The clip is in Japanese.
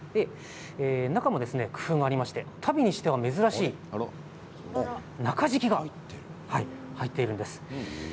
中も工夫がありまして足袋にしては珍しい中敷きが入っているんです。